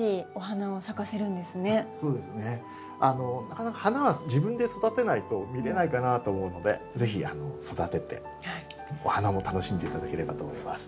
なかなか花は自分で育てないと見れないかなと思うので是非育ててお花も楽しんで頂ければと思います。